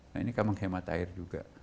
nah ini kan menghemat air juga